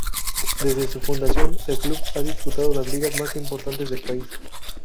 Desde su fundación, el club ha disputado las ligas más importantes del país.